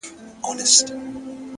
يو څو د ميني افسانې لوستې _